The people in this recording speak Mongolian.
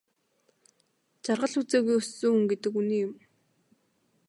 Жаргал үзээгүй өссөн хүн гэдэг үнэн юм.